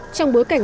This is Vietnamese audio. trong bối cảnh